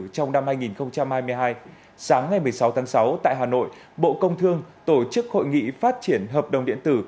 trong năm hai nghìn hai mươi hai sáng ngày một mươi sáu tháng sáu tại hà nội bộ công thương tổ chức hội nghị phát triển hợp đồng điện tử